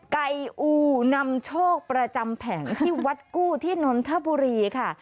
ไก่อูนำโชคประจำแผงที่วัดกู้ที่นนทบุรีค่ะ